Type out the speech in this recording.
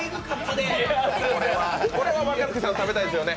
これは若槻さん、食べたいですよね。